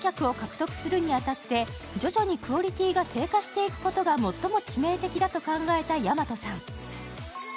常連客を獲得するに当たって徐々にクオリティーが低下していくことが最も致命的だと考えたやまとさん。